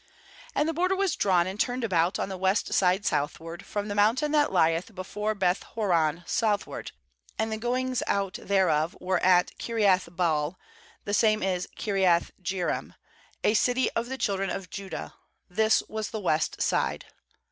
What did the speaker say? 14And the border was drawn and turned about on the west side southward, from the mountain that lieth before Beth horon southward; and the goings out there of were at Kiriath baal— the same is Kiriath jearim — a city of the chil dren of Judah; this was the west side.